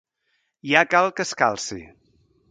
Ja cal que es calci!